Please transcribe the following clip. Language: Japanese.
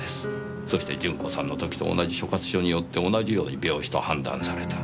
そして順子さんの時と同じ所轄署によって同じように病死と判断された。